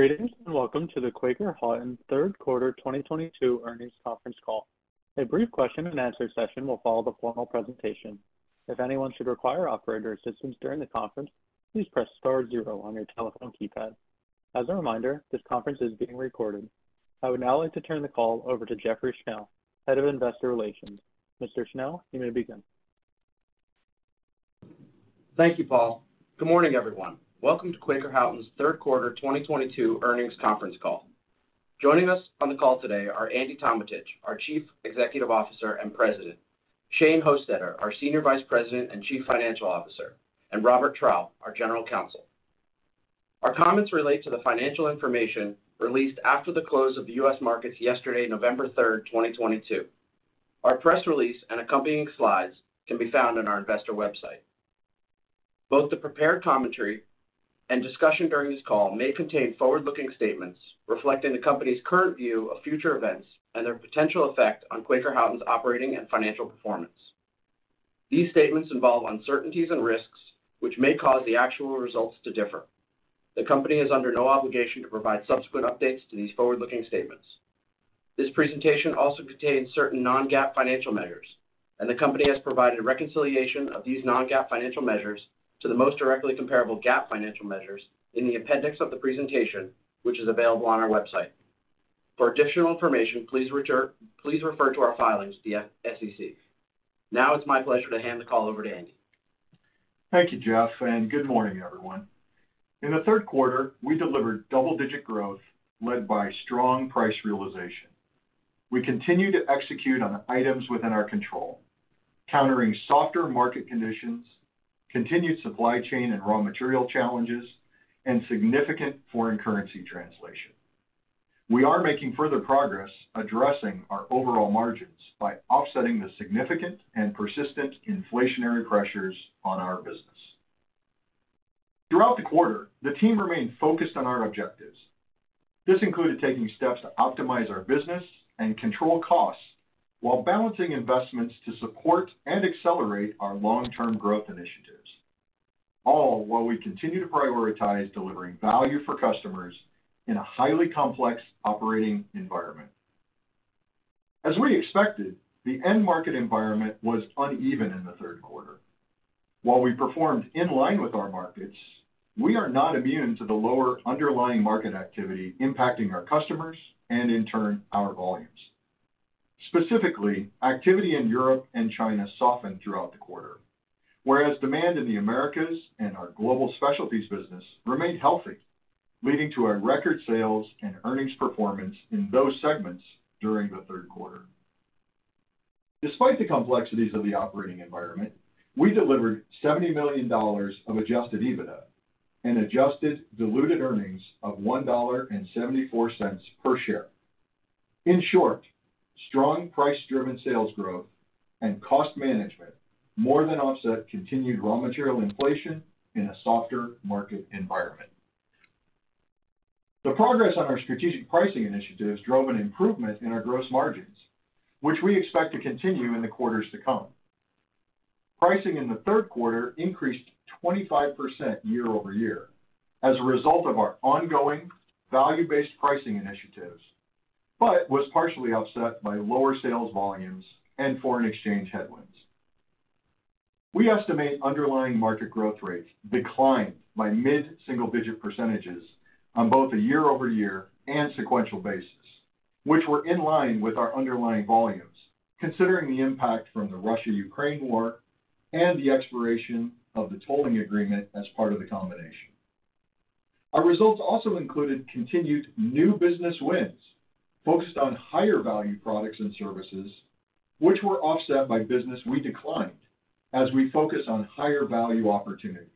Greetings, and welcome to the Quaker Houghton Q3 2022 Earnings Conference Call. A brief question-and-answer session will follow the formal presentation. If anyone should require operator assistance during the conference, please press star zero on your telephone keypad. As a reminder, this conference is being recorded. I would now like to turn the call over to Jeffrey Schnell, Head of Investor Relations. Mr. Schnell, you may begin. Thank you, Paul. Good morning, everyone. Welcome to Quaker Houghton's Q3 2022 earnings conference call. Joining us on the call today are Andy Tometich, our Chief Executive Officer and President, Shane Hostetter, our Senior Vice President and Chief Financial Officer, and Robert Traub, our General Counsel. Our comments relate to the financial information released after the close of the U.S. markets yesterday, November 3, 2022. Our press release and accompanying slides can be found on our investor website. Both the prepared commentary and discussion during this call may contain forward-looking statements reflecting the company's current view of future events and their potential effect on Quaker Houghton's operating and financial performance. These statements involve uncertainties and risks which may cause the actual results to differ. The company is under no obligation to provide subsequent updates to these forward-looking statements. This presentation also contains certain non-GAAP financial measures, and the company has provided a reconciliation of these non-GAAP financial measures to the most directly comparable GAAP financial measures in the appendix of the presentation, which is available on our website. For additional information, please refer to our filings via SEC. Now it's my pleasure to hand the call over to Andy. Thank you, Jeff, and good morning, everyone. In the Q3, we delivered double-digit growth led by strong price realization. We continue to execute on the items within our control, countering softer market conditions, continued supply chain and raw material challenges, and significant foreign currency translation. We are making further progress addressing our overall margins by offsetting the significant and persistent inflationary pressures on our business. Throughout the quarter, the team remained focused on our objectives. This included taking steps to optimize our business and control costs while balancing investments to support and accelerate our long-term growth initiatives, all while we continue to prioritize delivering value for customers in a highly complex operating environment. As we expected, the end market environment was uneven in the Q3. While we performed in line with our markets, we are not immune to the lower underlying market activity impacting our customers and, in turn, our volumes. Specifically, activity in Europe and China softened throughout the quarter, whereas demand in the Americas and our global specialties business remained healthy, leading to our record sales and earnings performance in those segments during the Q3. Despite the complexities of the operating environment, we delivered $70 million of adjusted EBITDA and adjusted diluted earnings of $1.74 per share. In short, strong price-driven sales growth and cost management more than offset continued raw material inflation in a softer market environment. The progress on our strategic pricing initiatives drove an improvement in our gross margins, which we expect to continue in the quarters to come. Pricing in the Q3 increased 25% year-over-year as a result of our ongoing value-based pricing initiatives, but was partially offset by lower sales volumes and foreign exchange headwinds. We estimate underlying market growth rates declined by mid-single-digit percentages on both a year-over-year and sequential basis, which were in line with our underlying volumes, considering the impact from the Russia-Ukraine war and the expiration of the tolling agreement as part of the combination. Our results also included continued new business wins focused on higher value products and services, which were offset by business we declined as we focus on higher value opportunities.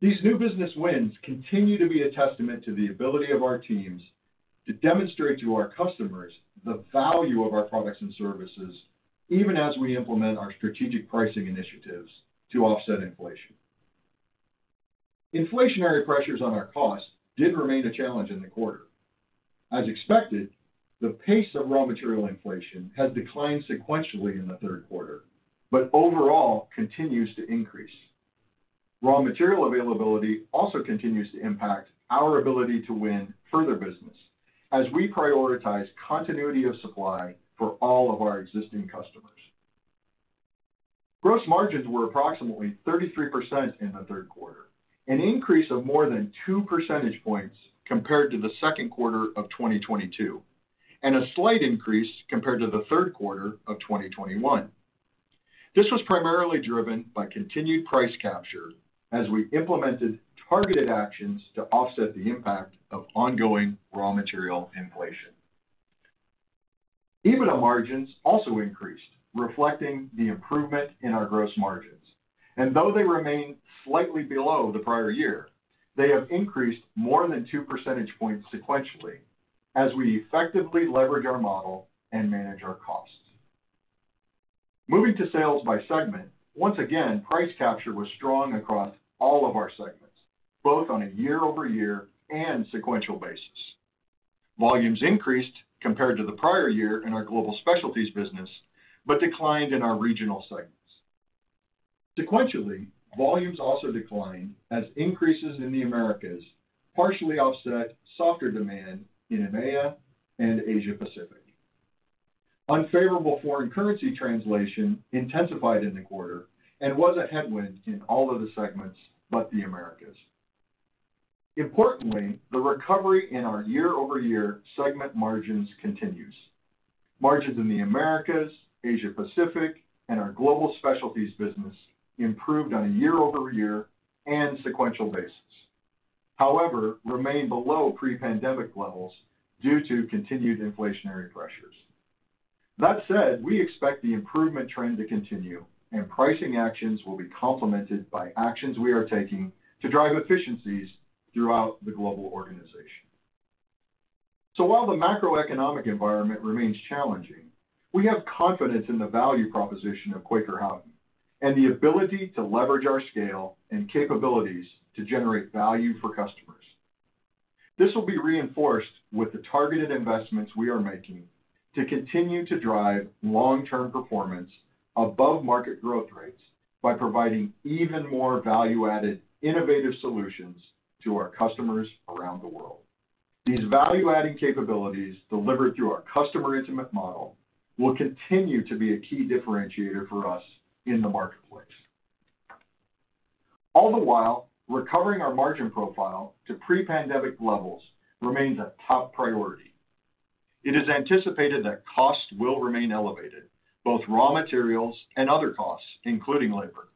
These new business wins continue to be a testament to the ability of our teams to demonstrate to our customers the value of our products and services even as we implement our strategic pricing initiatives to offset inflation. Inflationary pressures on our costs did remain a challenge in the quarter. As expected, the pace of raw material inflation has declined sequentially in the Q3, but overall continues to increase. Raw material availability also continues to impact our ability to win further business as we prioritize continuity of supply for all of our existing customers. Gross margins were approximately 33% in the Q3, an increase of more than two percentage points compared to the Q2 of 2022, and a slight increase compared to the Q3 of 2021. This was primarily driven by continued price capture as we implemented targeted actions to offset the impact of ongoing raw material inflation. EBITDA margins also increased, reflecting the improvement in our gross margins. Though they remain slightly below the prior year, they have increased more than two percentage points sequentially as we effectively leverage our model and manage our costs. Moving to sales by segment, once again, price capture was strong across all of our segments, both on a year-over-year and sequential basis. Volumes increased compared to the prior year in our global specialties business, but declined in our regional segments. Sequentially, volumes also declined as increases in the Americas partially offset softer demand in EMEA and Asia Pacific. Unfavorable foreign currency translation intensified in the quarter and was a headwind in all of the segments, but the Americas. Importantly, the recovery in our year-over-year segment margins continues. Margins in the Americas, Asia Pacific, and our global specialties business improved on a year-over-year and sequential basis. However, remain below pre-pandemic levels due to continued inflationary pressures. That said, we expect the improvement trend to continue, and pricing actions will be complemented by actions we are taking to drive efficiencies throughout the global organization. While the macroeconomic environment remains challenging, we have confidence in the value proposition of Quaker Houghton and the ability to leverage our scale and capabilities to generate value for customers. This will be reinforced with the targeted investments we are making to continue to drive long-term performance above market growth rates by providing even more value-added innovative solutions to our customers around the world. These value-adding capabilities delivered through our customer intimate model will continue to be a key differentiator for us in the marketplace. All the while, recovering our margin profile to pre-pandemic levels remains a top priority. It is anticipated that costs will remain elevated, both raw materials and other costs, including labor.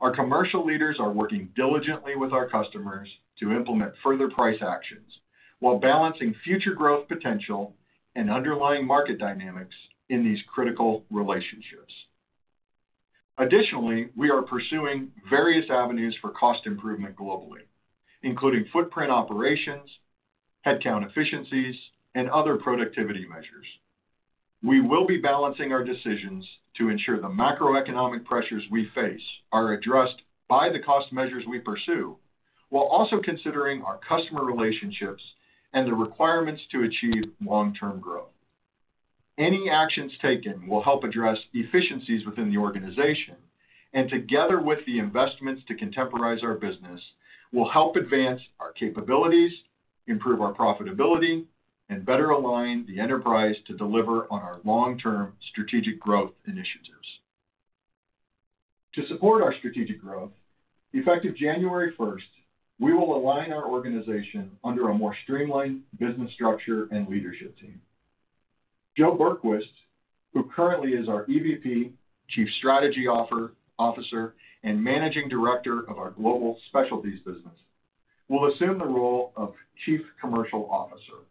Our commercial leaders are working diligently with our customers to implement further price actions while balancing future growth potential and underlying market dynamics in these critical relationships. Additionally, we are pursuing various avenues for cost improvement globally, including footprint operations, headcount efficiencies, and other productivity measures. We will be balancing our decisions to ensure the macroeconomic pressures we face are addressed by the cost measures we pursue while also considering our customer relationships and the requirements to achieve long-term growth. Any actions taken will help address efficiencies within the organization, and together with the investments to contemporize our business, will help advance our capabilities, improve our profitability, and better align the enterprise to deliver on our long-term strategic growth initiatives. To support our strategic growth, effective January first, we will align our organization under a more streamlined business structure and leadership team. Joe Berquist, who currently is our EVP, Chief Strategy Officer, and Managing Director of our Global Specialties business, will assume the role of Chief Commercial Officer.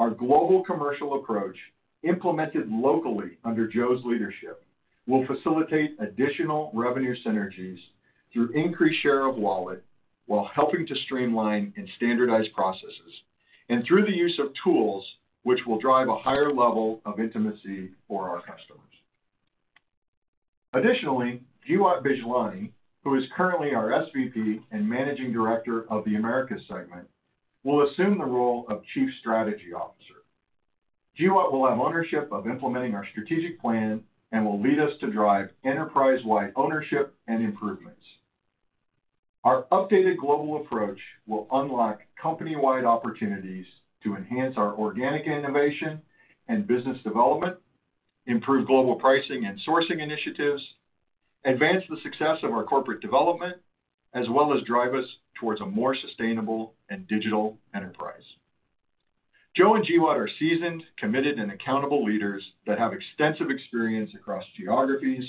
Our global commercial approach, implemented locally under Joe's leadership, will facilitate additional revenue synergies through increased share of wallet while helping to streamline and standardize processes, and through the use of tools which will drive a higher level of intimacy for our customers. Additionally, Jeewat Bijlani, who is currently our SVP and Managing Director of the Americas segment, will assume the role of Chief Strategy Officer. Jeewat will have ownership of implementing our strategic plan and will lead us to drive enterprise-wide ownership and improvements. Our updated global approach will unlock company-wide opportunities to enhance our organic innovation and business development, improve global pricing and sourcing initiatives, advance the success of our corporate development, as well as drive us towards a more sustainable and digital enterprise. Joe and Jeewat are seasoned, committed, and accountable leaders that have extensive experience across geographies,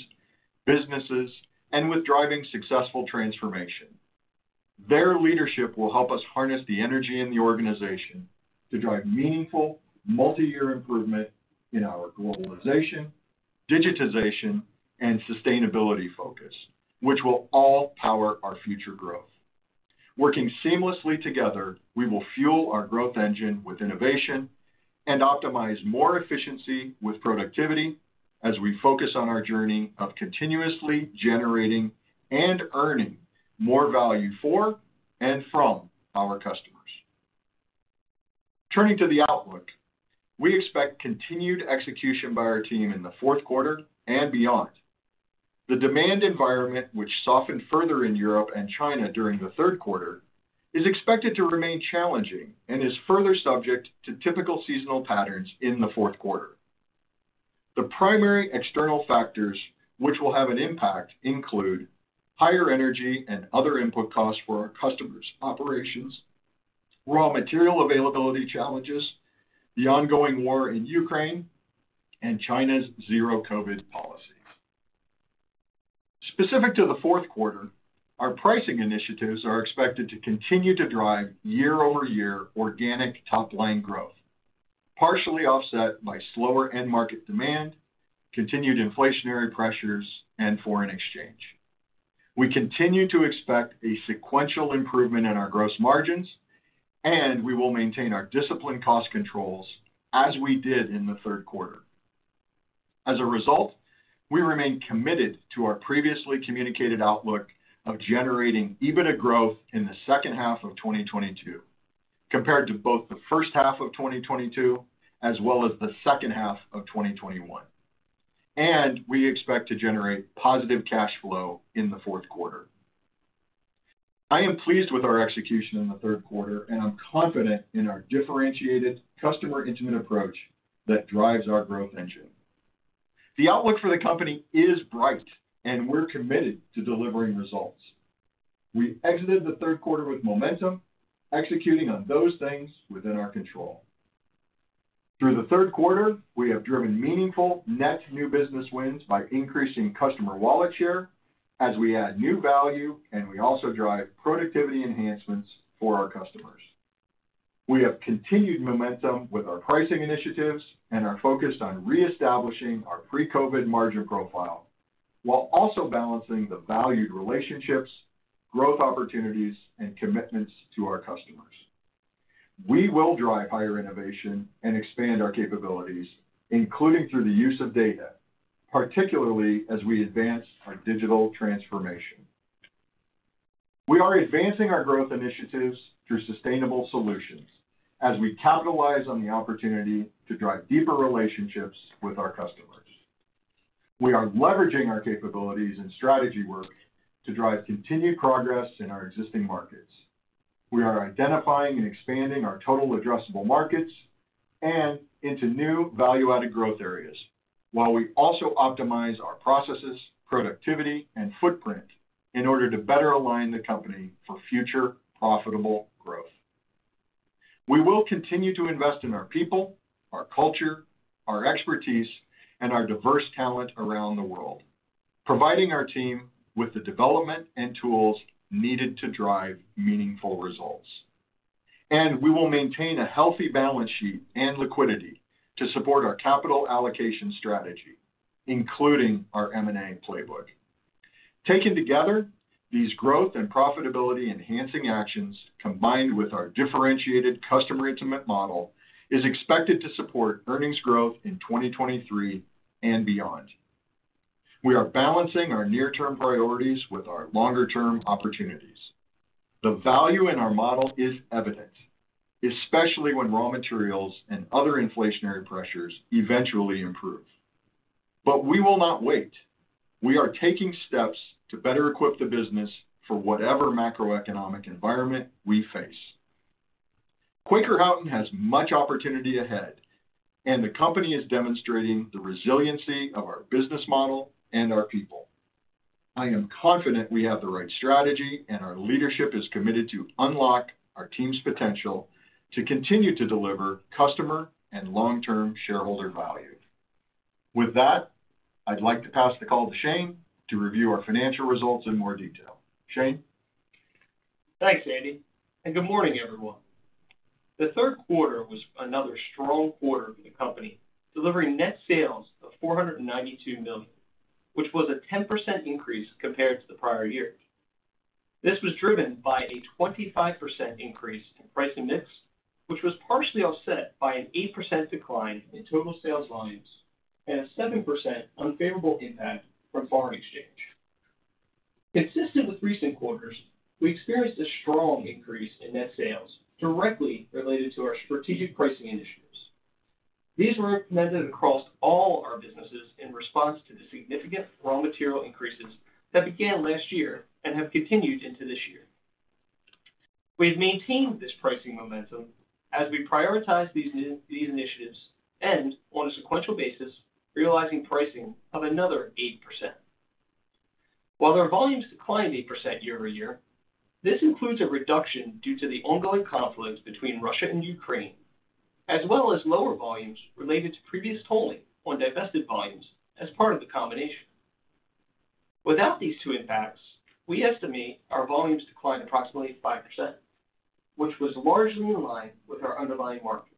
businesses, and with driving successful transformation. Their leadership will help us harness the energy in the organization to drive meaningful multi-year improvement in our globalization, digitization, and sustainability focus, which will all power our future growth. Working seamlessly together, we will fuel our growth engine with innovation and optimize more efficiency with productivity as we focus on our journey of continuously generating and earning more value for and from our customers. Turning to the outlook, we expect continued execution by our team in the Q4 and beyond. The demand environment, which softened further in Europe and China during the Q3, is expected to remain challenging and is further subject to typical seasonal patterns in the Q4. The primary external factors which will have an impact include higher energy and other input costs for our customers' operations, raw material availability challenges, the ongoing war in Ukraine, and China's Zero-COVID policy. Specific to the Q4, our pricing initiatives are expected to continue to drive year-over-year organic top line growth, partially offset by slower end market demand, continued inflationary pressures, and foreign exchange. We continue to expect a sequential improvement in our gross margins, and we will maintain our disciplined cost controls as we did in the Q3. As a result, we remain committed to our previously communicated outlook of generating EBITDA growth in the H2 of 2022. Compared to both the H1 of 2022 as well as the H2 of 2021. We expect to generate positive cash flow in the Q4. I am pleased with our execution in the Q3, and I'm confident in our differentiated customer-intimate approach that drives our growth engine. The outlook for the company is bright, and we're committed to delivering results. We exited the Q3 with momentum, executing on those things within our control. Through the Q3, we have driven meaningful net new business wins by increasing customer wallet share as we add new value, and we also drive productivity enhancements for our customers. We have continued momentum with our pricing initiatives and are focused on reestablishing our pre-COVID margin profile while also balancing the valued relationships, growth opportunities, and commitments to our customers. We will drive higher innovation and expand our capabilities, including through the use of data, particularly as we advance our digital transformation. We are advancing our growth initiatives through sustainable solutions as we capitalize on the opportunity to drive deeper relationships with our customers. We are leveraging our capabilities and strategy work to drive continued progress in our existing markets. We are identifying and expanding our total addressable markets and into new value-added growth areas, while we also optimize our processes, productivity, and footprint in order to better align the company for future profitable growth. We will continue to invest in our people, our culture, our expertise, and our diverse talent around the world, providing our team with the development and tools needed to drive meaningful results. We will maintain a healthy balance sheet and liquidity to support our capital allocation strategy, including our M&A playbook. Taken together, these growth and profitability enhancing actions, combined with our differentiated customer intimate model, is expected to support earnings growth in 2023 and beyond. We are balancing our near-term priorities with our longer-term opportunities. The value in our model is evident, especially when raw materials and other inflationary pressures eventually improve. We will not wait. We are taking steps to better equip the business for whatever macroeconomic environment we face. Quaker Houghton has much opportunity ahead, and the company is demonstrating the resiliency of our business model and our people. I am confident we have the right strategy, and our leadership is committed to unlock our team's potential to continue to deliver customer and long-term shareholder value. With that, I'd like to pass the call to Shane to review our financial results in more detail. Shane? Thanks, Andy, and good morning, everyone. The Q3 was another strong quarter for the company, delivering net sales of $492 million, which was a 10% increase compared to the prior year. This was driven by a 25% increase in price and mix, which was partially offset by an 8% decline in total sales volumes and a 7% unfavorable impact from foreign exchange. Consistent with recent quarters, we experienced a strong increase in net sales directly related to our strategic pricing initiatives. These were implemented across all our businesses in response to the significant raw material increases that began last year and have continued into this year. We've maintained this pricing momentum as we prioritize these initiatives and on a sequential basis, realizing pricing of another 8%. While our volumes declined 8% year-over-year, this includes a reduction due to the ongoing conflict between Russia and Ukraine, as well as lower volumes related to previous tolling on divested volumes as part of the combination. Without these two impacts, we estimate our volumes declined approximately 5%, which was largely in line with our underlying markets,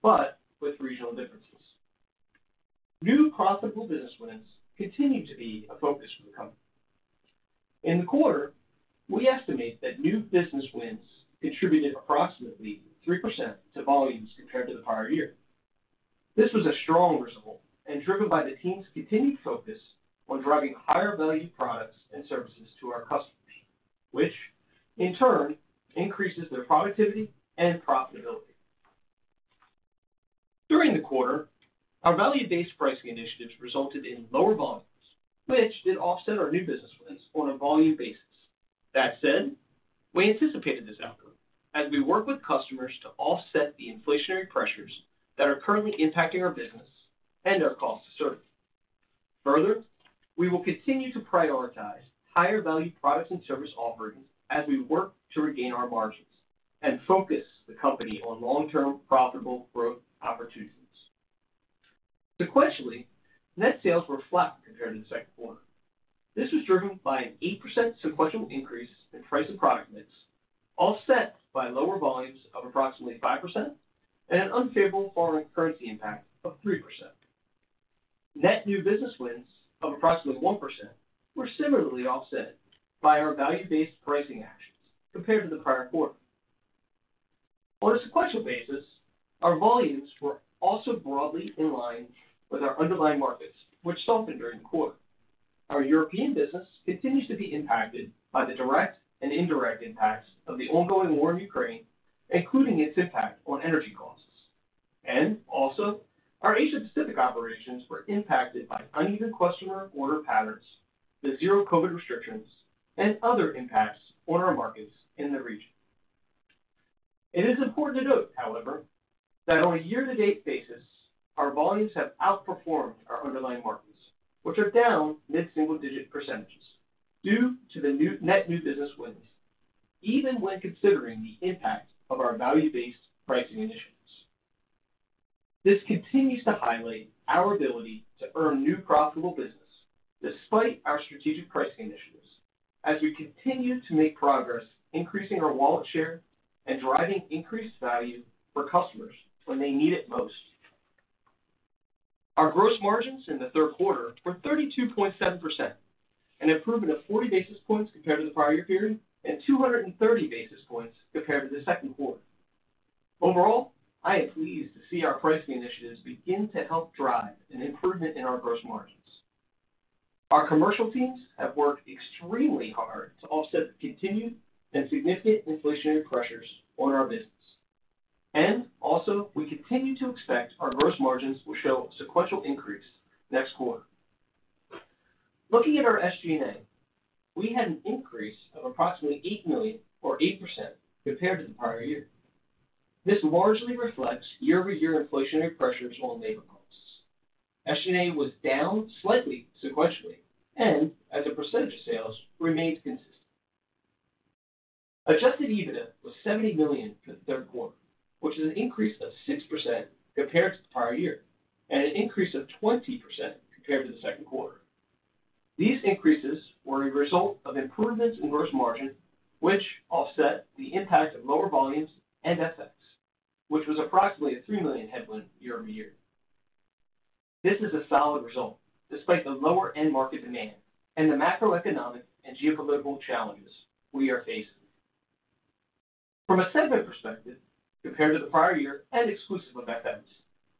but with regional differences. New profitable business wins continue to be a focus for the company. In the quarter, we estimate that new business wins contributed approximately 3% to volumes compared to the prior year. This was a strong result and driven by the team's continued focus on driving higher value products and services to our customers, which in turn increases their productivity and profitability. During the quarter, our value-based pricing initiatives resulted in lower volumes, which did offset our new business wins on a volume basis. That said, we anticipated this outcome as we work with customers to offset the inflationary pressures that are currently impacting our business and our cost to serve. Further, we will continue to prioritize higher value products and service offerings as we work to regain our margins and focus the company on long-term profitable growth opportunities. Sequentially, net sales were flat compared to the Q2. This was driven by an 8% sequential increase in price and product mix, offset by lower volumes of approximately 5% and an unfavorable foreign currency impact of 3%. Net new business wins of approximately 1% were similarly offset by our value-based pricing actions compared to the prior quarter. On a sequential basis, our volumes were also broadly in line with our underlying markets, which softened during the quarter. Our European business continues to be impacted by the direct and indirect impacts of the ongoing war in Ukraine, including its impact on energy costs. Our Asia-Pacific operations were impacted by uneven customer order patterns, the zero-COVID restrictions, and other impacts on our markets in the region. It is important to note, however, that on a year-to-date basis, our volumes have outperformed our underlying markets, which are down mid-single-digit percentages due to the net new business wins, even when considering the impact of our value-based pricing initiatives. This continues to highlight our ability to earn new profitable business despite our strategic pricing initiatives as we continue to make progress increasing our wallet share and driving increased value for customers when they need it most. Our gross margins in the Q3 were 32.7%, an improvement of 40 basis points compared to the prior period and 230 basis points compared to the Q2. Overall, I am pleased to see our pricing initiatives begin to help drive an improvement in our gross margins. Our commercial teams have worked extremely hard to offset the continued and significant inflationary pressures on our business. We continue to expect our gross margins will show sequential increase next quarter. Looking at our SG&A, we had an increase of approximately $8 million or 8% compared to the prior year. This largely reflects year-over-year inflationary pressures on labor costs. SG&A was down slightly sequentially and as a percentage of sales remained consistent. Adjusted EBITDA was $70 million for the Q3, which is an increase of 6% compared to the prior year and an increase of 20% compared to the Q2. These increases were a result of improvements in gross margin, which offset the impact of lower volumes and FX, which was approximately a $3 million headwind year-over-year. This is a solid result despite the lower end market demand and the macroeconomic and geopolitical challenges we are facing. From a segment perspective, compared to the prior year and exclusive of FX,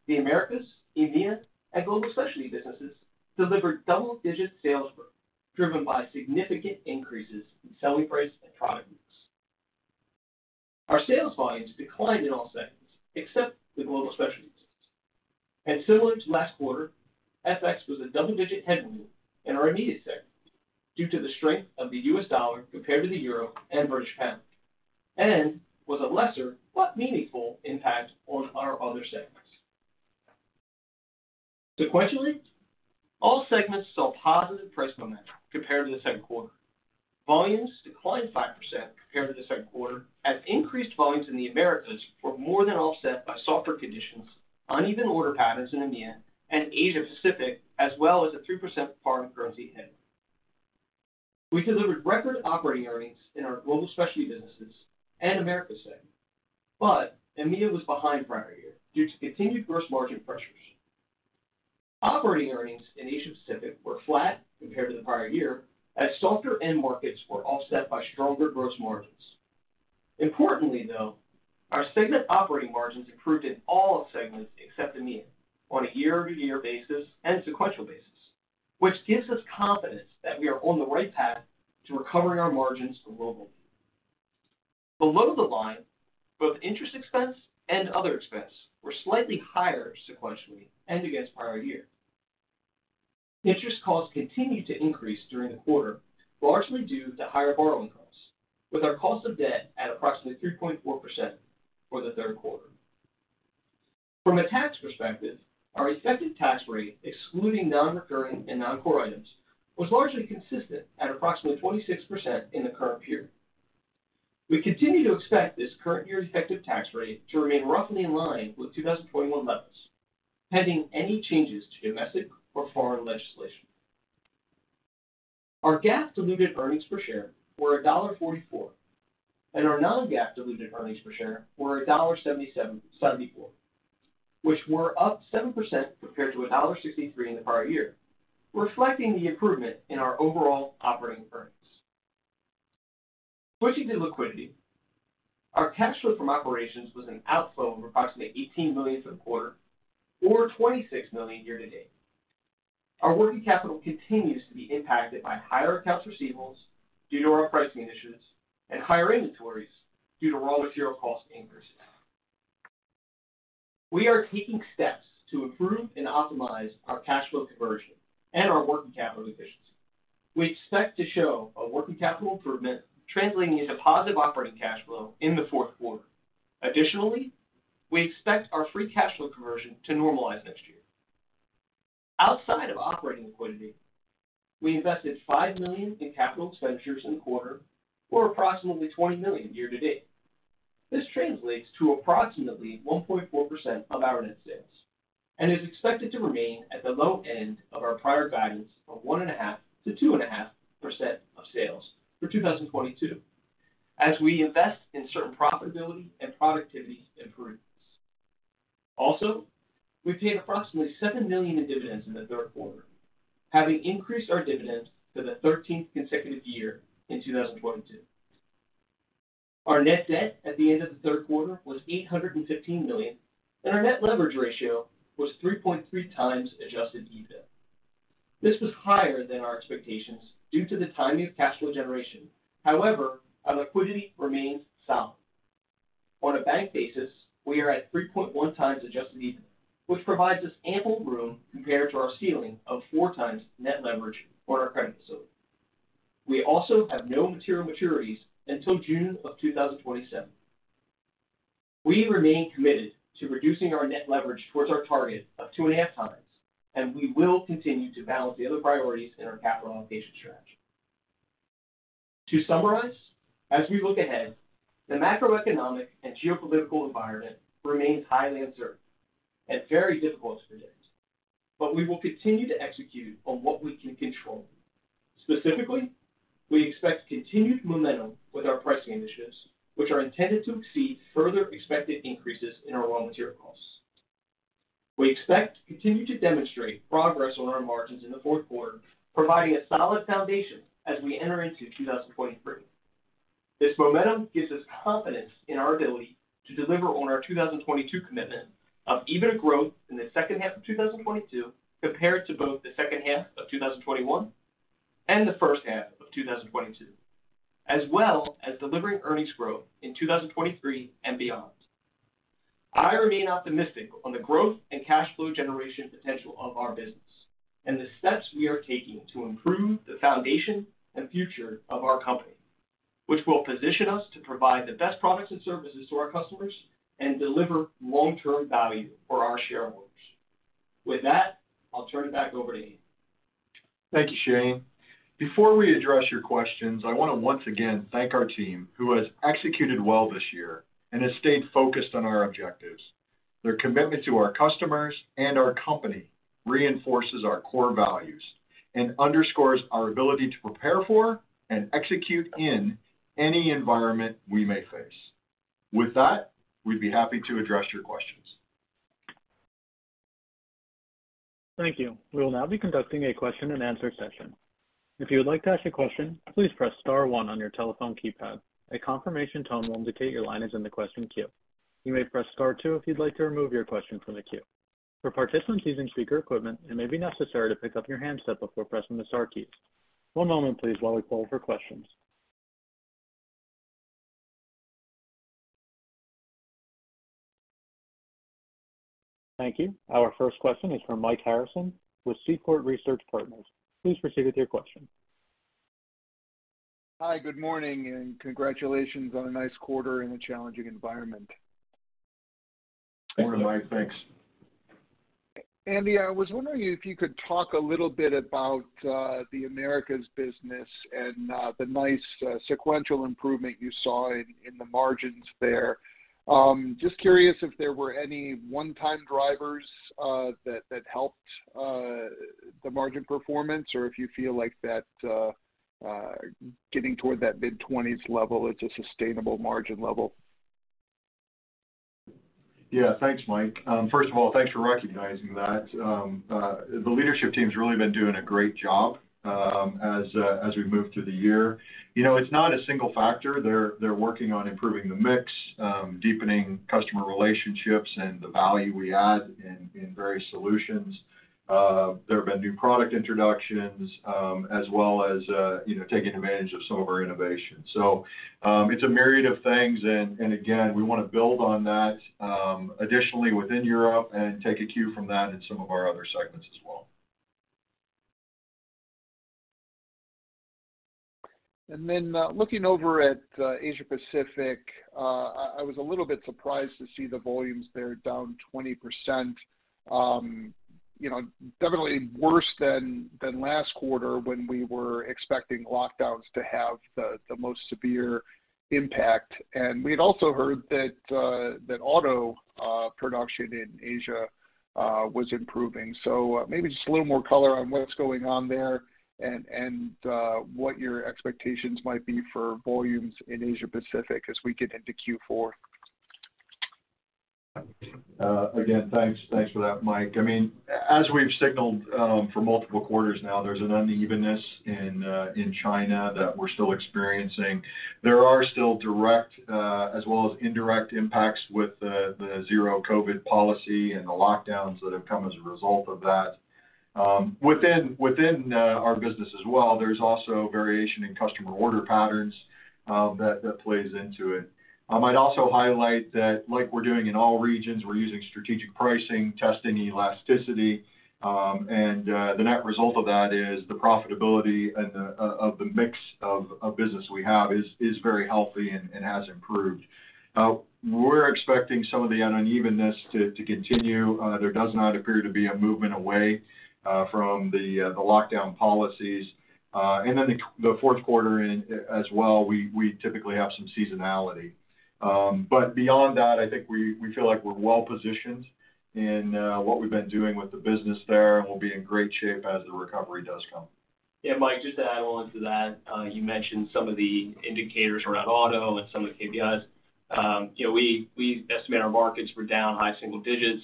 the Americas, EMEA, and Global Specialty Businesses delivered double-digit sales growth, driven by significant increases in selling price and product mix. Our sales volumes declined in all segments except the Global Specialty Business. Similar to last quarter, FX was a double-digit headwind in our EMEA segment due to the strength of the U.S. dollar compared to the euro and British pound, and was a lesser but meaningful impact on our other segments. Sequentially, all segments saw positive price momentum compared to the Q2. Volumes declined 5% compared to the Q2 as increased volumes in the Americas were more than offset by softer conditions, uneven order patterns in EMEA and Asia Pacific, as well as a 3% foreign currency headwind. We delivered record operating earnings in our Global Specialty Businesses and Americas segment, but EMEA was behind prior year due to continued gross margin pressures. Operating earnings in Asia Pacific were flat compared to the prior year as softer end markets were offset by stronger gross margins. Importantly, though, our segment operating margins improved in all segments except EMEA on a year-over-year basis and sequential basis, which gives us confidence that we are on the right path to recovering our margins globally. Below the line, both interest expense and other expense were slightly higher sequentially and against prior year. Interest costs continued to increase during the quarter, largely due to higher borrowing costs, with our cost of debt at approximately 3.4% for the Q3. From a tax perspective, our effective tax rate, excluding non-recurring and non-core items, was largely consistent at approximately 26% in the current period. We continue to expect this current year effective tax rate to remain roughly in line with 2021 levels, pending any changes to domestic or foreign legislation. Our GAAP diluted earnings per share were $1.44, and our non-GAAP diluted earnings per share were $1.74, which were up 7% compared to $1.63 in the prior year, reflecting the improvement in our overall operating earnings. Switching to liquidity, our cash flow from operations was an outflow of approximately $18 million for the quarter or $26 million year to date. Our working capital continues to be impacted by higher accounts receivables due to our pricing initiatives and higher inventories due to raw material cost increases. We are taking steps to improve and optimize our cash flow conversion and our working capital efficiency. We expect to show a working capital improvement translating into positive operating cash flow in the Q4. Additionally, we expect our free cash flow conversion to normalize next year. Outside of operating liquidity, we invested $5 million in capital expenditures in the quarter or approximately $20 million year to date. This translates to approximately 1.4% of our net sales and is expected to remain at the low end of our prior guidance of 1.5%-2.5% of sales for 2022 as we invest in certain profitability and productivity improvements. Also, we paid approximately $7 million in dividends in the Q3, having increased our dividends for the thirteenth consecutive year in 2022. Our net debt at the end of the Q3 was $815 million, and our net leverage ratio was 3.3x adjusted EBIT. This was higher than our expectations due to the timing of cash flow generation. However, our liquidity remains sound. On a bank basis, we are at 3.1 times adjusted EBIT, which provides us ample room compared to our ceiling of 4 times net leverage on our credit facility. We also have no material maturities until June 2027. We remain committed to reducing our net leverage towards our target of 2.5 times, and we will continue to balance the other priorities in our capital allocation strategy. To summarize, as we look ahead, the macroeconomic and geopolitical environment remains highly uncertain and very difficult to predict. We will continue to execute on what we can control. Specifically, we expect continued momentum with our pricing initiatives, which are intended to exceed further expected increases in our raw material costs. We expect to continue to demonstrate progress on our margins in the Q4, providing a solid foundation as we enter into 2023. This momentum gives us confidence in our ability to deliver on our 2022 commitment of EBITDA growth in the H2 of 2022 compared to both the H2 of 2021 and the H1 of 2022, as well as delivering earnings growth in 2023 and beyond. I remain optimistic on the growth and cash flow generation potential of our business and the steps we are taking to improve the foundation and future of our company, which will position us to provide the best products and services to our customers and deliver long-term value for our shareholders. With that, I'll turn it back over to Andy. Thank you, Shane. Before we address your questions, I wanna once again thank our team who has executed well this year and has stayed focused on our objectives. Their commitment to our customers and our company reinforces our core values and underscores our ability to prepare for and execute in any environment we may face. With that, we'd be happy to address your questions. Thank you. We will now be conducting a question-and-answer session. If you would like to ask a question, please press star one on your telephone keypad. A confirmation tone will indicate your line is in the question queue. You may press star two if you'd like to remove your question from the queue. For participants using speaker equipment, it may be necessary to pick up your handset before pressing the star keys. One moment, please, while we call for questions. Thank you. Our first question is from Mike Harrison with Seaport Research Partners. Please proceed with your question. Hi, good morning, and congratulations on a nice quarter in a challenging environment. Good morning, Mike. Thanks. Andy, I was wondering if you could talk a little bit about the Americas business and the nice sequential improvement you saw in the margins there. Just curious if there were any one-time drivers that helped the margin performance or if you feel like that getting toward that mid-twenties level, it's a sustainable margin level. Yeah. Thanks, Mike. First of all, thanks for recognizing that. The leadership team's really been doing a great job, as we move through the year., it's not a single factor. They're working on improving the mix, deepening customer relationships and the value we add in various solutions. There have been new product introductions, as well as, taking advantage of some of our innovation. It's a myriad of things and again, we wanna build on that, additionally within Europe and take a cue from that in some of our other segments as well. Then, looking over at Asia Pacific, I was a little bit surprised to see the volumes there down 20%., definitely worse than last quarter when we were expecting lockdowns to have the most severe impact. We had also heard that auto production in Asia was improving. Maybe just a little more color on what's going on there and what your expectations might be for volumes in Asia Pacific as we get into Q4. Again, thanks for that, Mike. I mean, as we've signaled for multiple quarters now, there's an unevenness in China that we're still experiencing. There are still direct, as well as indirect impacts with the zero-COVID policy and the lockdowns that have come as a result of that. Within our business as well, there's also variation in customer order patterns that plays into it. I might also highlight that like we're doing in all regions, we're using strategic pricing, testing elasticity, and the net result of that is the profitability and the of the mix of business we have is very healthy and has improved. We're expecting some of the unevenness to continue. There does not appear to be a movement away from the lockdown policies. The Q4 as well, we typically have some seasonality. Beyond that, I think we feel like we're well-positioned in what we've been doing with the business there, and we'll be in great shape as the recovery does come. Yeah, Mike, just to add on to that, you mentioned some of the indicators around auto and some of the KPIs., we estimate our markets were down high single digits.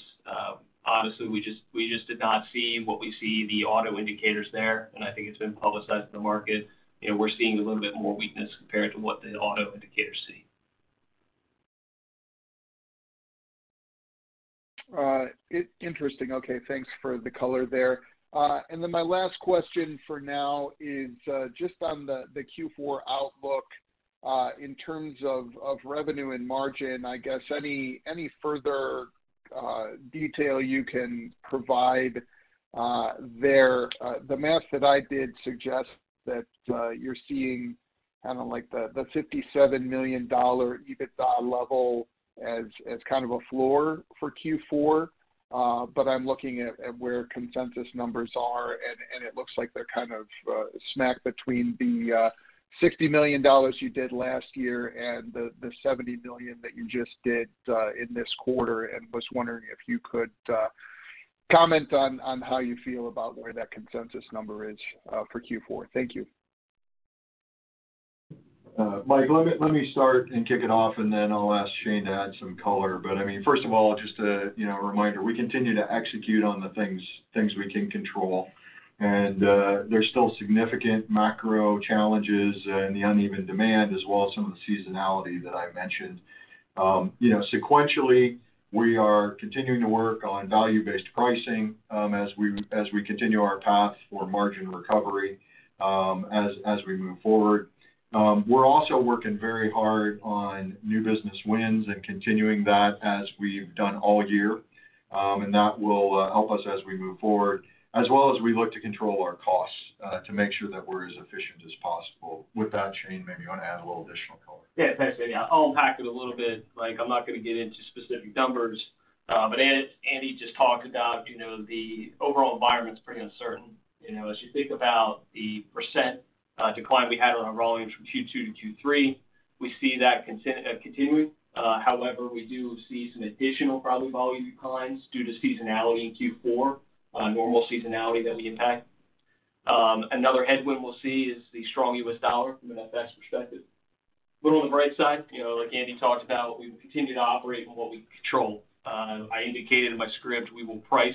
Obviously, we just did not see what we see the auto indicators there, and I think it's been publicized in the market., we're seeing a little bit more weakness compared to what the auto indicators see. Interesting. Okay, thanks for the color there. My last question for now is just on the Q4 outlook in terms of revenue and margin. I guess any further detail you can provide there. The math that I did suggests that you're seeing kind of like the $57 million EBITDA level as kind of a floor for Q4. I'm looking at where consensus numbers are and it looks like they're kind of smack between the $60 million you did last year and the $70 million that you just did in this quarter. I was wondering if you could comment on how you feel about where that consensus number is for Q4. Thank you. Mike, let me start and kick it off, and then I'll ask Shane to add some color. I mean, first of all, just a reminder, we continue to execute on the things we can control. There's still significant macro challenges in the uneven demand as well as some of the seasonality that I mentioned., sequentially, we are continuing to work on value-based pricing, as we continue our path for margin recovery, as we move forward. We're also working very hard on new business wins and continuing that as we've done all year, and that will help us as we move forward, as well as we look to control our costs, to make sure that we're as efficient as possible. With that, Shane, maybe you wanna add a little additional color. Yeah. Thanks, Andy. I'll unpack it a little bit. Like, I'm not gonna get into specific numbers, but Andy just talked about the overall environment's pretty uncertain., as you think about the percent decline we had on our volumes from Q2 to Q3, we see that continuing. However, we do see some additional probably volume declines due to seasonality in Q4, normal seasonality that we impact. Another headwind we'll see is the strong U.S. dollar from an FX perspective. On the bright side like Andy talked about, we continue to operate on what we control. I indicated in my script, we will price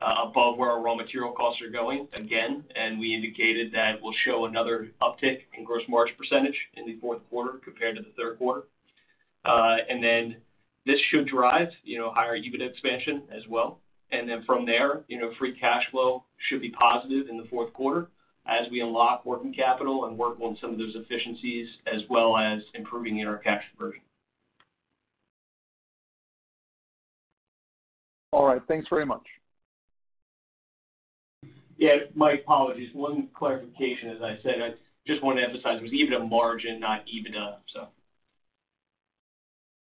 above where our raw material costs are going again, and we indicated that we'll show another uptick in gross margin percentage in the Q4 compared to the Q3. This should drive higher EBIT expansion as well. From there free cash flow should be positive in the Q4 as we unlock working capital and work on some of those efficiencies, as well as improving in our cash conversion. All right. Thanks very much. Yeah. Mike, apologies. One clarification, as I said, I just want to emphasize it was EBITDA margin, not EBITDA.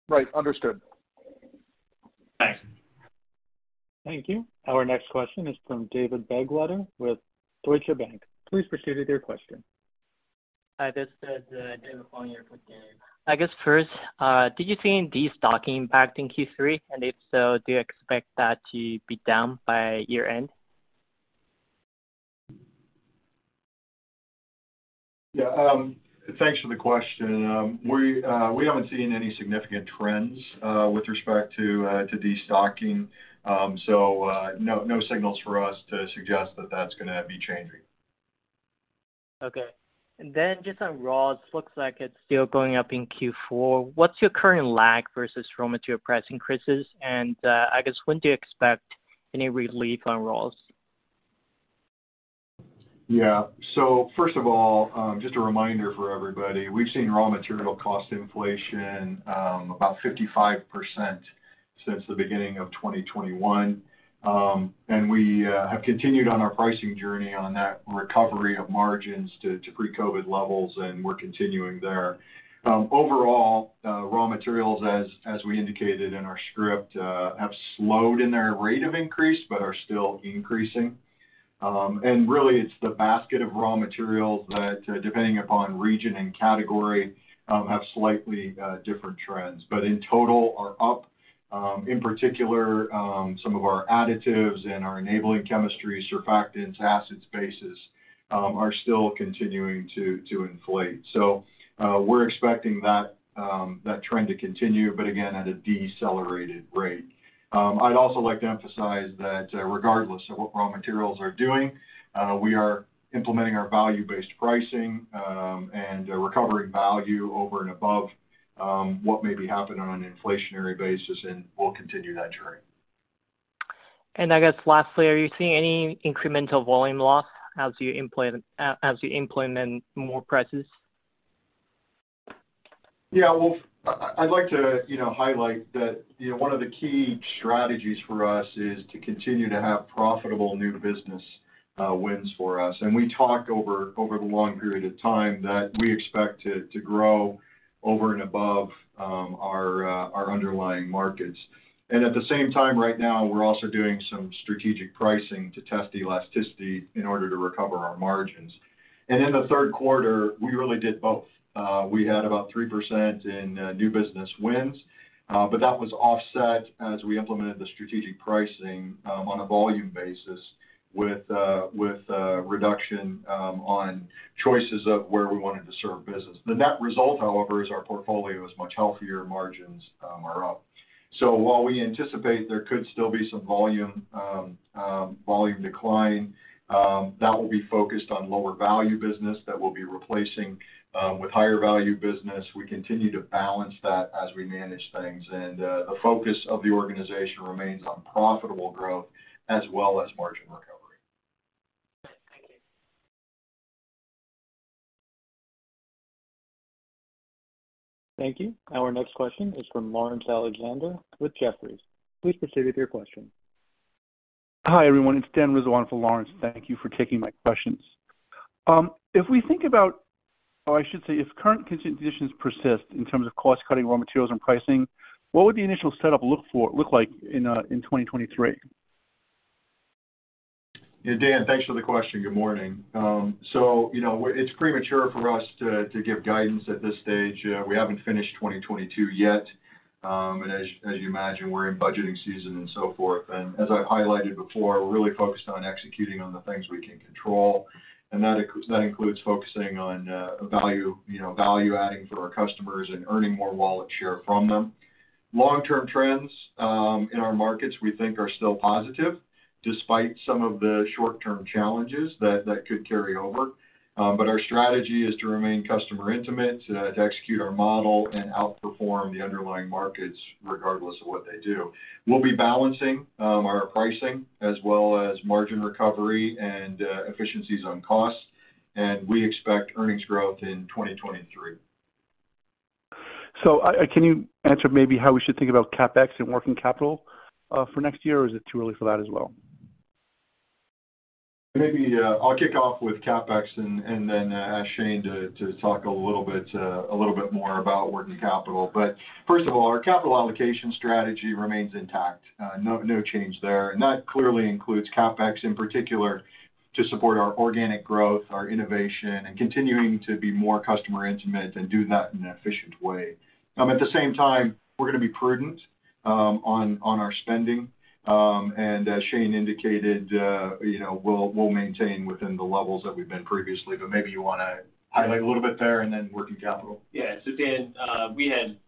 Right. Understood. Thanks. Thank you. Our next question is from David Begleiter with Deutsche Bank. Please proceed with your question. Hi, this is David Wong here with David Begleiter. I guess first, did you see any destocking impact in Q3? If so, do you expect that to be down by year-end? Yeah. Thanks for the question. We haven't seen any significant trends with respect to destocking. No signals for us to suggest that that's gonna be changing. Okay. Just on raws, looks like it's still going up in Q4. What's your current lag versus raw material price increases? I guess when do you expect any relief on raws? Yeah. First of all, just a reminder for everybody, we've seen raw material cost inflation about 55% since the beginning of 2021. We have continued on our pricing journey on that recovery of margins to pre-COVID levels, and we're continuing there. Overall, raw materials, as we indicated in our script, have slowed in their rate of increase but are still increasing. Really, it's the basket of raw materials that, depending upon region and category, have slightly different trends. In total are up, in particular, some of our additives and our enabling chemistry surfactants, acids, bases, are still continuing to inflate. We're expecting that trend to continue, but again at a decelerated rate. I'd also like to emphasize that, regardless of what raw materials are doing, we are implementing our value-based pricing and recovering value over and above what may be happening on an inflationary basis, and we'll continue that journey. I guess lastly, are you seeing any incremental volume loss as you implement more prices? Yeah. Well, I'd like to highlight that one of the key strategies for us is to continue to have profitable new business wins for us. We talked over the long period of time that we expect to grow over and above our underlying markets. At the same time, right now we're also doing some strategic pricing to test the elasticity in order to recover our margins. In the Q3, we really did both. We had about 3% in new business wins, but that was offset as we implemented the strategic pricing on a volume basis with reduction on choices of where we wanted to serve business. The net result, however, is our portfolio is much healthier, margins are up. While we anticipate there could still be some volume decline that will be focused on lower value business that we'll be replacing with higher value business. We continue to balance that as we manage things. The focus of the organization remains on profitable growth as well as margin recovery. Thank you. Our next question is from Laurence Alexander with Jefferies. Please proceed with your question. Hi, everyone. It's Dan Rizzo for Laurence. Thank you for taking my questions. If current conditions persist in terms of cost cutting raw materials and pricing, what would the initial setup look like in 2023? Yeah, Dan, thanks for the question. Good morning., it's premature for us to give guidance at this stage. We haven't finished 2022 yet. As you imagine, we're in budgeting season and so forth. As I've highlighted before, we're really focused on executing on the things we can control. That includes focusing on value value adding for our customers and earning more wallet share from them. Long-term trends in our markets, we think are still positive despite some of the short-term challenges that could carry over. Our strategy is to remain customer intimate, to execute our model and outperform the underlying markets regardless of what they do. We'll be balancing our pricing as well as margin recovery and efficiencies on cost, and we expect earnings growth in 2023. Can you answer maybe how we should think about CapEx and working capital for next year, or is it too early for that as well? Maybe I'll kick off with CapEx and then ask Shane to talk a little bit more about working capital. First of all, our capital allocation strategy remains intact. No change there. That clearly includes CapEx in particular to support our organic growth, our innovation, and continuing to be more customer intimate and do that in an efficient way. At the same time, we're gonna be prudent on our spending. As Shane indicated we'll maintain within the levels that we've been previously, but maybe you wanna highlight a little bit there and then working capital. Yeah. Dan, we had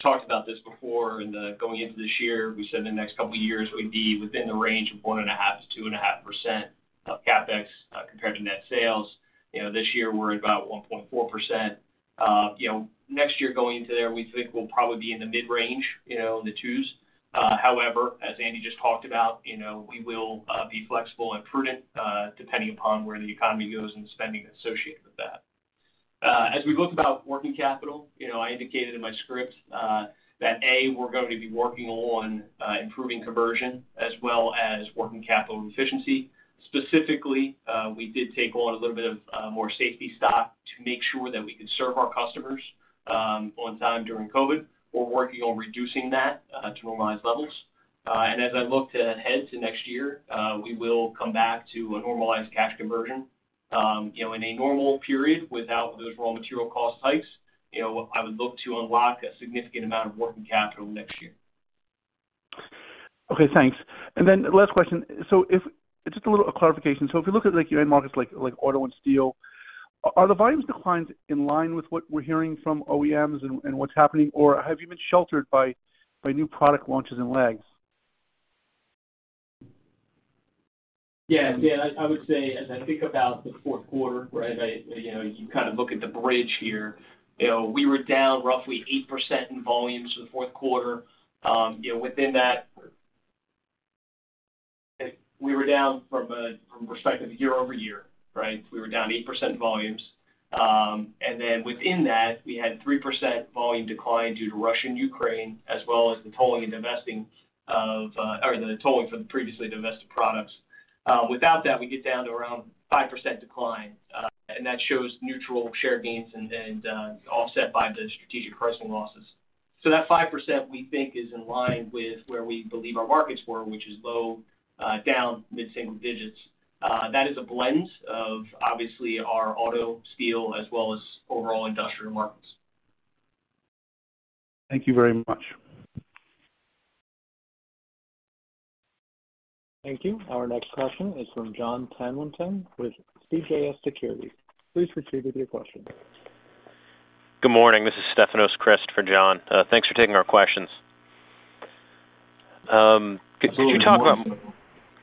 talked about this before going into this year. We said in the next couple of years, we'd be within the range of 1.5%-2.5% of CapEx compared to net sales., this year we're at about 1.4%., next year going into there, we think we'll probably be in the mid-range in the 2s. However, as Andy just talked about we will be flexible and prudent depending upon where the economy goes and spending associated with that. As we look about working capital I indicated in my script that A, we're going to be working on improving conversion as well as working capital efficiency. Specifically, we did take on a little bit of more safety stock to make sure that we could serve our customers on time during COVID. We're working on reducing that to normalized levels. As I look ahead to next year, we will come back to a normalized cash conversion., in a normal period without those raw material cost hikes I would look to unlock a significant amount of working capital next year. Okay, thanks. Last question. If just a little clarification. If you look at, like, your end markets like auto and steel, are the volumes declines in line with what we're hearing from OEMs and what's happening, or have you been sheltered by new product launches and lags? I would say, as I think about the Q4, you kind of look at the bridge here. We were down roughly 8% in volumes for the Q4. Within that, we were down from a year-over-year perspective. We were down 8% volumes. And then within that, we had 3% volume decline due to Russia and Ukraine, as well as the tolling for the previously divested products. Without that, we get down to around 5% decline, and that shows neutral share gains offset by the strategic pricing losses. That 5%, we think is in line with where we believe our markets were, which were down low- to mid-single digits. That is a blend of obviously our auto, steel, as well as overall industrial markets. Thank you very much. Thank you. Our next question is from Jon Tanwanteng with CJS Securities. Please proceed with your question. Good morning. This is Stefanos Crist for John. Thanks for taking our questions. Could you talk about-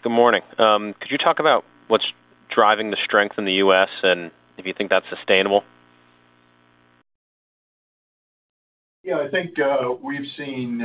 Good morning. Good morning. Could you talk about what's driving the strength in the U.S. And if you think that's sustainable? Yeah, I think we've seen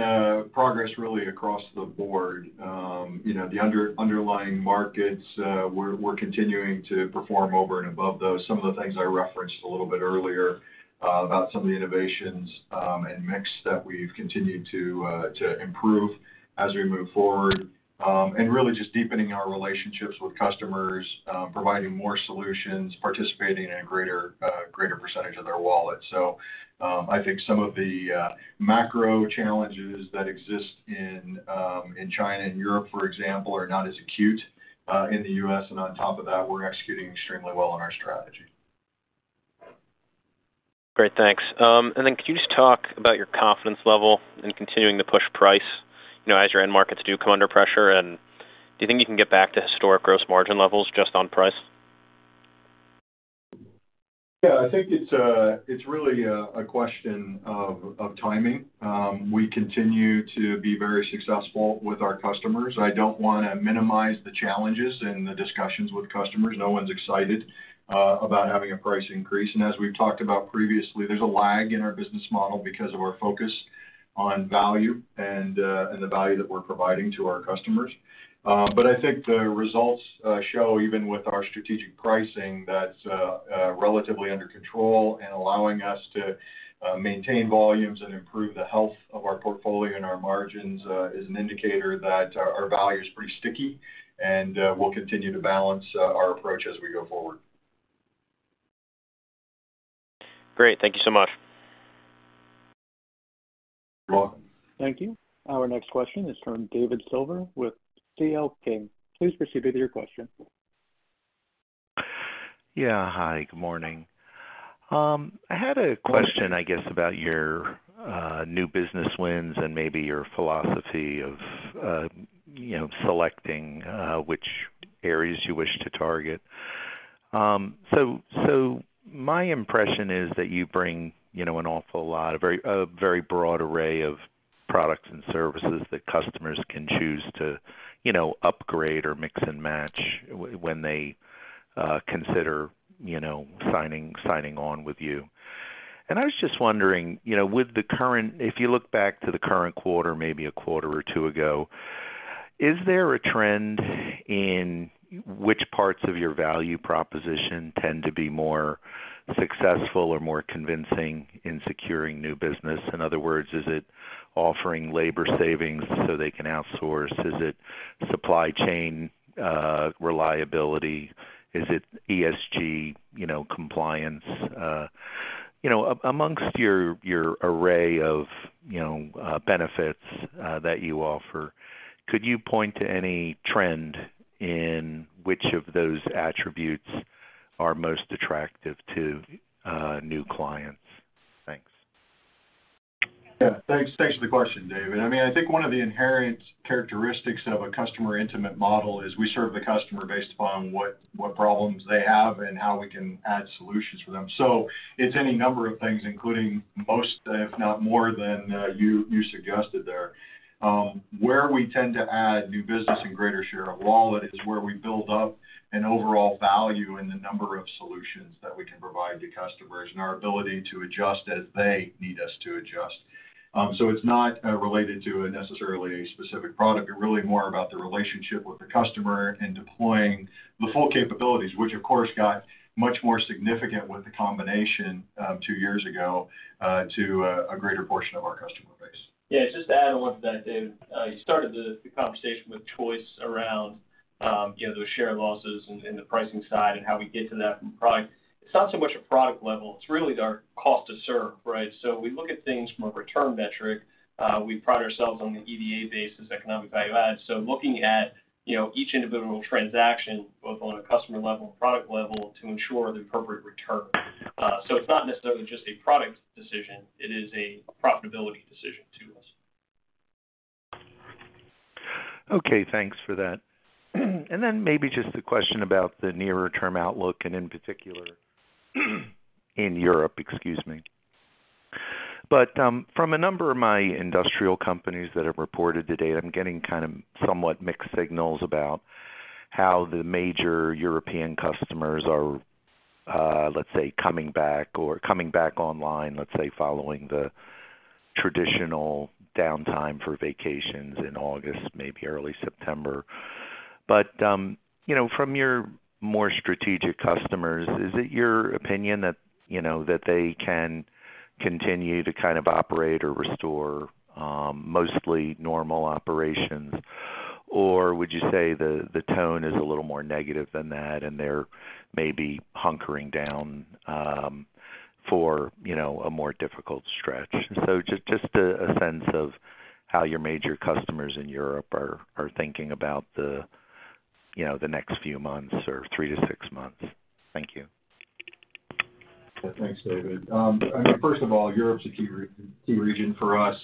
progress really across the board., the underlying markets, we're continuing to perform over and above those. Some of the things I referenced a little bit earlier about some of the innovations and mix that we've continued to improve as we move forward. Really just deepening our relationships with customers, providing more solutions, participating in a greater percentage of their wallet. I think some of the macro challenges that exist in China and Europe, for example, are not as acute in the U.S. On top of that, we're executing extremely well on our strategy. Great. Thanks. Could you just talk about your confidence level in continuing to push price as your end markets do come under pressure? Do you think you can get back to historic gross margin levels just on price? Yeah, I think it's really a question of timing. We continue to be very successful with our customers. I don't wanna minimize the challenges and the discussions with customers. No one's excited about having a price increase. As we've talked about previously, there's a lag in our business model because of our focus on value and the value that we're providing to our customers. I think the results show even with our strategic pricing that's relatively under control and allowing us to maintain volumes and improve the health of our portfolio and our margins is an indicator that our value is pretty sticky, and we'll continue to balance our approach as we go forward. Great. Thank you so much. You're welcome. Thank you. Our next question is from David Silver with C.L. King. Please proceed with your question. Yeah. Hi, good morning. I had a question, I guess, about your new business wins and maybe your philosophy of, selecting which areas you wish to target. So my impression is that you bring, an awful lot, a very broad array of products and services that customers can choose to, upgrade or mix and match when they consider, signing on with you. I was just wondering if you look back to the current quarter, maybe Q1 or Q2 ago, is there a trend in which parts of your value proposition tend to be more successful or more convincing in securing new business? In other words, is it offering labor savings so they can outsource? Is it supply chain reliability? Is it esg compliance?, among your array of benefits that you offer, could you point to any trend in which of those attributes are most attractive to new clients? Thanks. Yeah, thanks. Thanks for the question, David. I mean, I think one of the inherent characteristics of a customer intimate model is we serve the customer based upon what problems they have and how we can add solutions for them. It's any number of things, including most, if not more than, you suggested there. Where we tend to add new business and greater share of wallet is where we build up an overall value in the number of solutions that we can provide to customers and our ability to adjust as they need us to adjust. It's not related to a necessarily specific product, but really more about the relationship with the customer and deploying the full capabilities. Which, of course, got much more significant with the combination two years ago to a greater portion of our customer base. Yeah, just to add on to that, David, you started the conversation with choice around those share losses and the pricing side and how we get to that from product. It's not so much a product level, it's really our cost to serve, right? We look at things from a return metric. We pride ourselves on the EVA basis, economic value add, so looking at each individual transaction, both on a customer level and product level to ensure the appropriate return. So it's not necessarily just a product decision, it is a profitability decision to us. Okay. Thanks for that. Maybe just a question about the nearer term outlook, and in particular in Europe, excuse me. From a number of my industrial companies that have reported today, I'm getting kind of somewhat mixed signals about how the major European customers are, let's say, coming back or coming back online, let's say, following the traditional downtime for vacations in August, maybe early September., from your more strategic customers, is it your opinion that that they can continue to kind of operate or restore, mostly normal operations? Or would you say the tone is a little more negative than that and they're maybe hunkering down, for a more difficult stretch? Just a sense of how your major customers in Europe are thinking about the the next few months or three to six months? Thank you. Yeah. Thanks, David. First of all, Europe's a key region for us.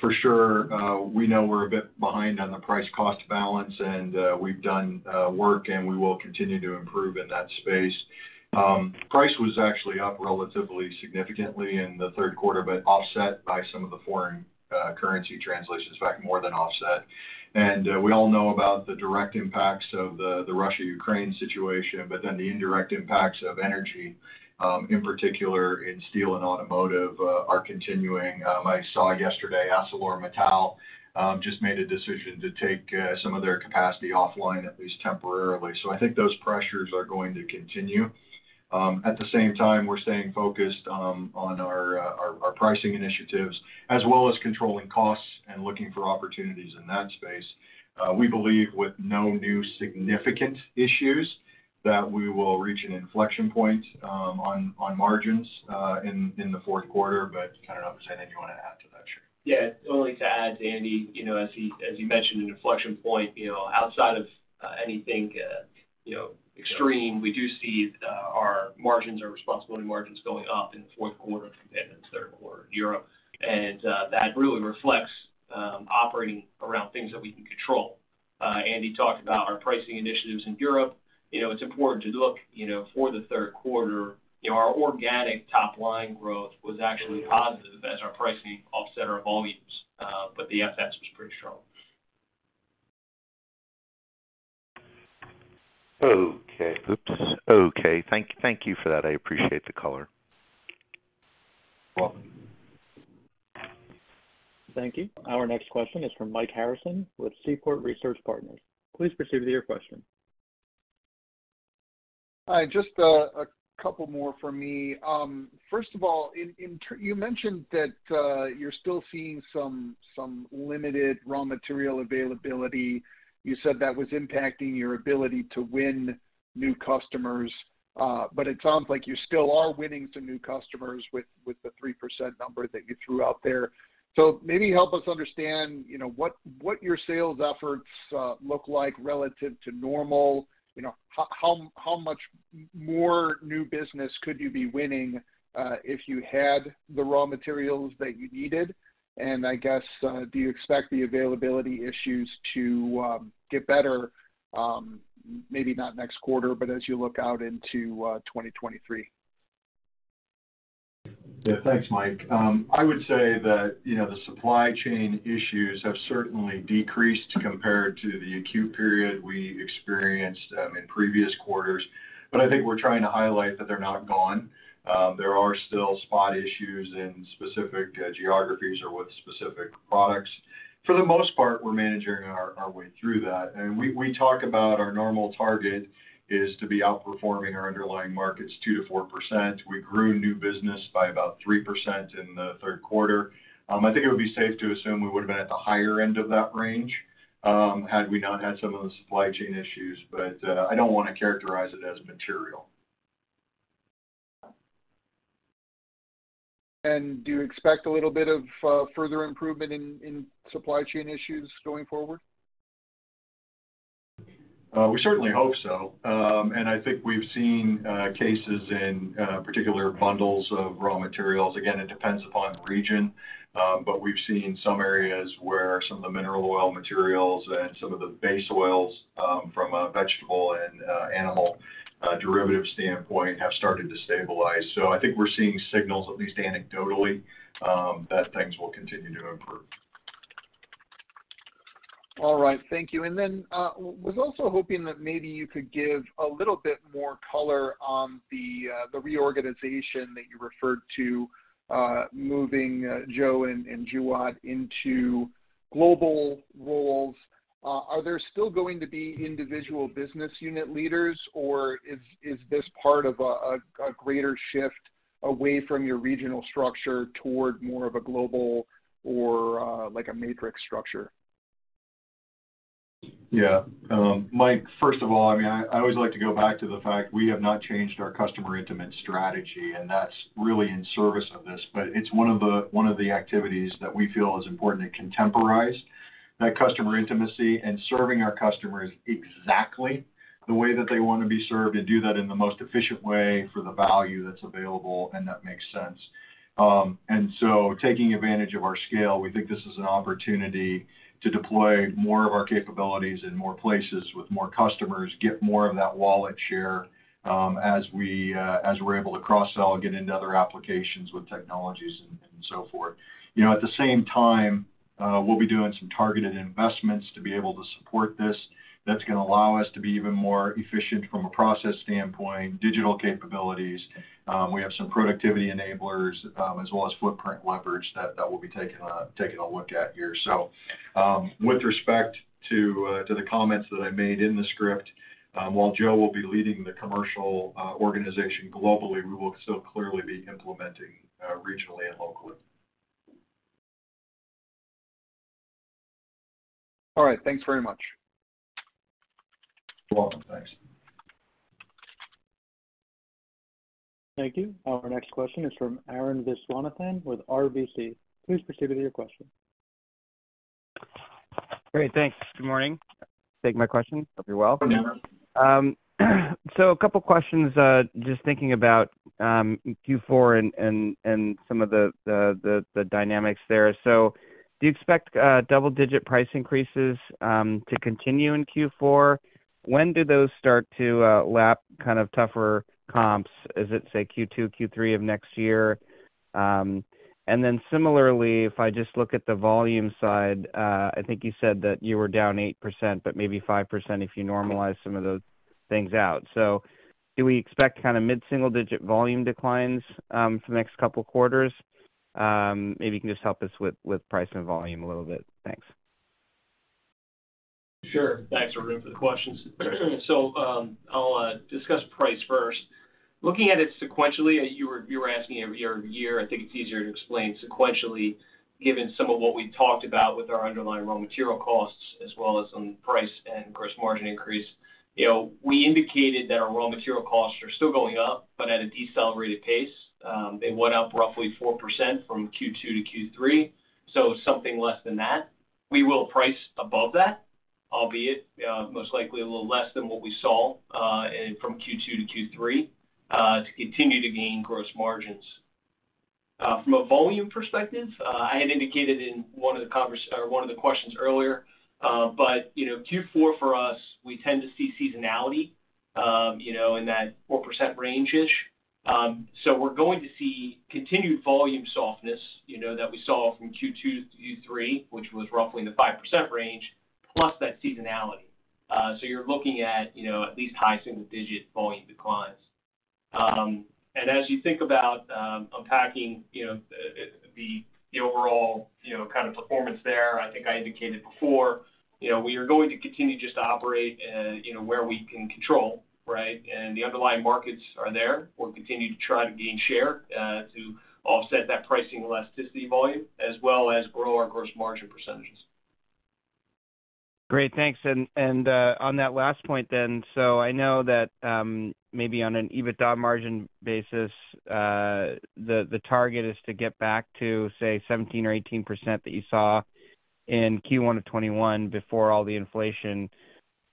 For sure, we know we're a bit behind on the price cost balance, and we've done work, and we will continue to improve in that space. Price was actually up relatively significantly in the Q3, but offset by some of the foreign currency translations. In fact, more than offset. We all know about the direct impacts of the Russia-Ukraine situation, but the indirect impacts of energy in particular in steel and automotive are continuing. I saw yesterday, ArcelorMittal just made a decision to take some of their capacity offline, at least temporarily. I think those pressures are going to continue. At the same time, we're staying focused on our pricing initiatives, as well as controlling costs and looking for opportunities in that space. We believe with no new significant issues that we will reach an inflection point on margins in the Q4. I don't know if you have anything you wanna add to that, sure. Yeah. Only to add, andy as he mentioned, an inflection point outside of anything extreme, we do see our margins, our responsibility margins going up in the Q3 compared to the Q3 in Europe. That really reflects operating around things that we can control. Andy talked about our pricing initiatives in Europe., it's important to look for the Q3 our organic top-line growth was actually positive as our pricing offset our volumes. But the FX was pretty strong. Oops. Okay. Thank you for that. I appreciate the color. Welcome. Thank you. Our next question is from Mike Harrison with Seaport Research Partners. Please proceed with your question. Hi, just a couple more from me. First of all, you mentioned that you're still seeing some limited raw material availability. You said that was impacting your ability to win new customers, but it sounds like you still are winning some new customers with the 3% number that you threw out there. So maybe help us understand what your sales efforts look like relative to normal., how much more new business could you be winning if you had the raw materials that you needed? I guess do you expect the availability issues to get better, maybe not next quarter, but as you look out into 2023? Yeah. Thanks, Mike. I would say that the supply chain issues have certainly decreased compared to the acute period we experienced in previous quarters. I think we're trying to highlight that they're not gone. There are still spot issues in specific geographies or with specific products. For the most part, we're managing our way through that. We talk about our normal target is to be outperforming our underlying markets 2%-4%. We grew new business by about 3% in the Q3. I think it would be safe to assume we would have been at the higher end of that range had we not had some of those supply chain issues, but I don't wanna characterize it as material. Do you expect a little bit of further improvement in supply chain issues going forward? We certainly hope so. I think we've seen cases in particular bundles of raw materials. Again, it depends upon the region, but we've seen some areas where some of the mineral oil materials and some of the base oils, from a vegetable and animal derivative standpoint have started to stabilize. I think we're seeing signals, at least anecdotally, that things will continue to improve. All right, thank you. Was also hoping that maybe you could give a little bit more color on the reorganization that you referred to, moving Joe and Jeewat into global roles. Are there still going to be individual business unit leaders, or is this part of a greater shift away from your regional structure toward more of a global or like a matrix structure? Yeah. Mike, first of all, I mean, I always like to go back to the fact we have not changed our customer intimacy strategy, and that's really in service of this. But it's one of the activities that we feel is important to contemporize that customer intimacy and serving our customers exactly the way that they wanna be served and do that in the most efficient way for the value that's available and that makes sense. Taking advantage of our scale, we think this is an opportunity to deploy more of our capabilities in more places with more customers, get more of that wallet share, as we're able to cross-sell and get into other applications with technologies and so forth., at the same time, we'll be doing some targeted investments to be able to support this. That's gonna allow us to be even more efficient from a process standpoint, digital capabilities. We have some productivity enablers, as well as footprint leverage that we'll be taking a look at here. With respect to the comments that I made in the script, while Joe will be leading the commercial organization globally, we will still clearly be implementing regionally and locally. All right. Thanks very much. You're welcome. Thanks. Thank you. Our next question is from Arun Viswanathan with RBC. Please proceed with your question. Great. Thanks. Good morning. You can take my question. Hope you're well. Yeah. A couple questions, just thinking about Q4 and some of the dynamics there. Do you expect double-digit price increases to continue in Q4? When do those start to lap kind of tougher comps? Is it, say, Q2, Q3 of next year? Then similarly, if I just look at the volume side, I think you said that you were down 8%, but maybe 5% if you normalize some of those things out. Do we expect kinda mid-single-digit volume declines for the next couple quarters? Maybe you can just help us with price and volume a little bit. Thanks. Sure. Thanks, Arun, for the questions. I'll discuss price first. Looking at it sequentially, you were asking year-over-year. I think it's easier to explain sequentially, given some of what we talked about with our underlying raw material costs as well as on price and gross margin increase. , we indicated that our raw material costs are still going up, but at a decelerated pace. They went up roughly 4% from Q2 to Q3, so something less than that. We will price above that, albeit most likely a little less than what we saw from Q2 to Q3 to continue to gain gross margins. From a volume perspective, I had indicated in one of the questions earlier, but Q4 for us, we tend to see seasonality in that 4% range-ish. We're going to see continued volume softness that we saw from Q2 to Q3, which was roughly in the 5% range, plus that seasonality. You're looking at at least high single-digit volume declines. As you think about unpacking the overall kind of performance there, I think I indicated before we are going to continue just to operate where we can control, right? The underlying markets are there. We'll continue to try to gain share to offset that pricing elasticity volume as well as grow our gross margin percentages. Great. Thanks. On that last point then, so I know that maybe on an EBITDA margin basis, the target is to get back to, say, 17% or 18% that you saw in Q1 of 2021 before all the inflation.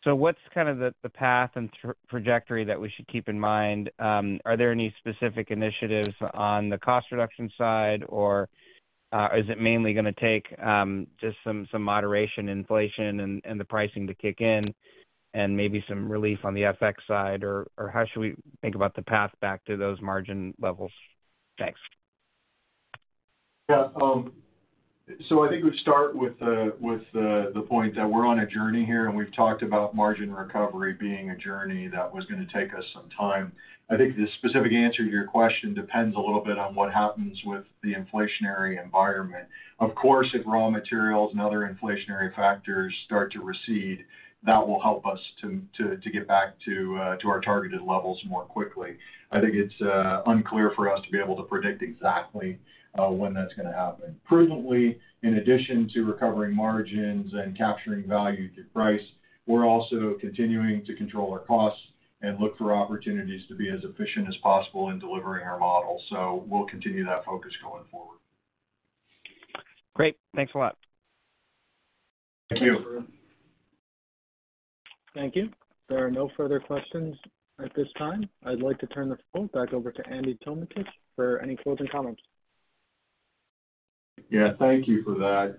What's kind of the path and trajectory that we should keep in mind? Are there any specific initiatives on the cost reduction side? Is it mainly gonna take just some moderation in inflation and the pricing to kick in and maybe some relief on the FX side? How should we think about the path back to those margin levels? Thanks. Yeah. I think we'll start with the point that we're on a journey here, and we've talked about margin recovery being a journey that was gonna take us some time. I think the specific answer to your question depends a little bit on what happens with the inflationary environment. Of course, if raw materials and other inflationary factors start to recede, that will help us to get back to our targeted levels more quickly. I think it's unclear for us to be able to predict exactly when that's gonna happen. Prudently, in addition to recovering margins and capturing value through price, we're also continuing to control our costs and look for opportunities to be as efficient as possible in delivering our model. We'll continue that focus going forward. Great. Thanks a lot. Thank you. Thank you. There are no further questions at this time. I'd like to turn the floor back over to Andy Tometich for any closing comments. Yeah, thank you for that.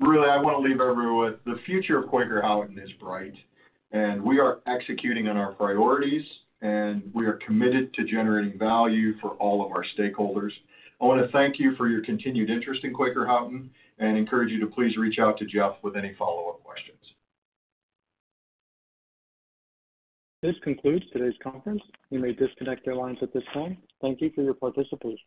Really, I wanna leave everyone with the future of Quaker Houghton is bright, and we are executing on our priorities, and we are committed to generating value for all of our stakeholders. I wanna thank you for your continued interest in Quaker Houghton and encourage you to please reach out to Jeff with any follow-up questions. This concludes today's conference. You may disconnect your lines at this time. Thank you for your participation.